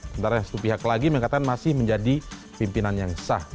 sementara yang satu pihak lagi mengatakan masih menjadi pimpinan yang sah